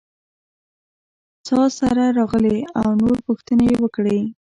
څاسره راغلې او نور پوښتنې یې وکړې.